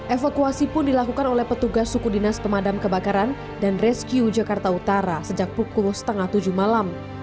evakuasi pun dilakukan oleh petugas suku dinas pemadam kebakaran dan rescue jakarta utara sejak pukul setengah tujuh malam